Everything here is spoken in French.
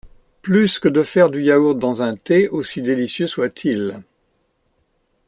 Plus que de faire du yaourt dans un thé, aussi délicieux soit-il.